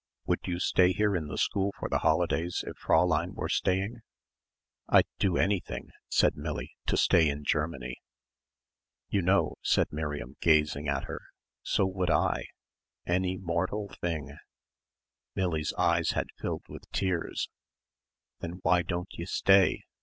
"Would you stay here in the school for the holidays if Fräulein were staying?" "I'd do anything," said Millie, "to stay in Germany." "You know," said Miriam gazing at her, "so would I any mortal thing." Millie's eyes had filled with tears. "Then why don't ye stay?"